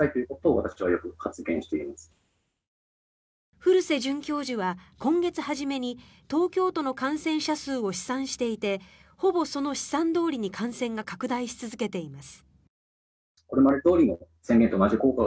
古瀬准教授は今月初めに東京都の感染者数を試算していてほぼその試算どおりに感染が拡大し続けています。